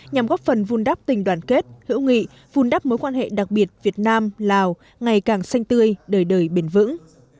nhằm góp phần vun đắp tình đoàn kết hữu nghị vun đắp mối quan hệ đặc biệt việt nam lào ngày càng xanh tươi đời đời bền vững